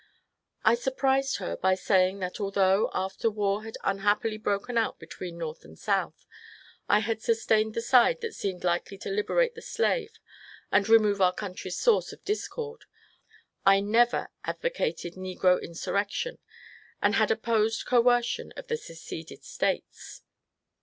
I surprised her by saying that although, after war had unhappily broken out be tween North and South, I had sustained the side that seemed likely to liberate the slave and remove our country's source of discord, I never advocated negro insurrection, and had op posed coercion of the seceeded States.